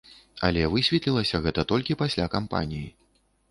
Але высветлілася гэта толькі пасля кампаніі.